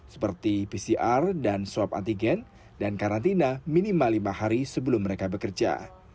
seperti pcr dan swab antigen dan karantina minimal lima hari sebelum mereka bekerja